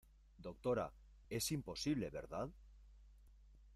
doctora, es imposible ,¿ verdad?